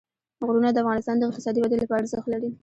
غرونه د افغانستان د اقتصادي ودې لپاره ارزښت لري.